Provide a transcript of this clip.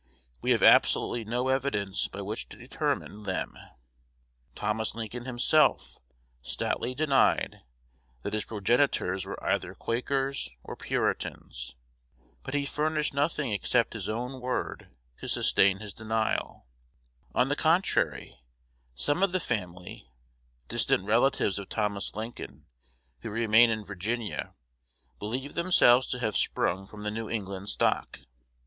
We have absolutely no evidence by which to determine them, Thomas Lincoln himself stoutly denied that his progenitors were either Quakers or Puritans; but he furnished nothing except his own word to sustain his denial: on the contrary, some of the family (distant relatives of Thomas Lincoln) who remain in Virginia believe themselves to have sprung from the New England stock.